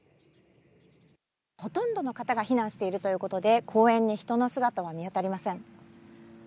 ほとんどの方が避難しているということで公園に人の姿は見当たりません。